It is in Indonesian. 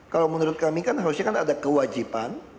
kalau menurut kami kan harusnya kan ada kewajiban